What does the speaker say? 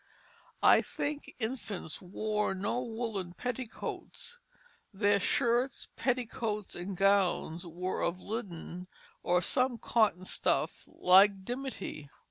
I think infants wore no woollen petticoats; their shirts, petticoats, and gowns were of linen or some cotton stuff like dimity.